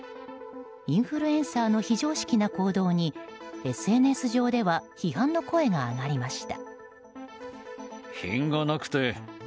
インフルエンサーの非常識な行動にＳＮＳ上では批判の声が上がりました。